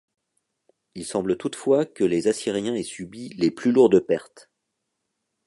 Il semble toutefois que les Assyriens aient subi les plus lourdes pertes.